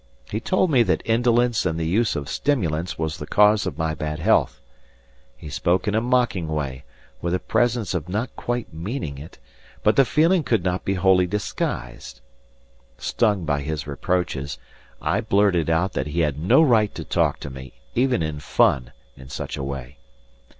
He told me that indolence and the use of stimulants was the cause of my bad health. He spoke in a mocking way, with a presence of not quite meaning it, but the feeling could not be wholly disguised. Stung by his reproaches, I blurted out that he had no right to talk to me, even in fun, in such a way.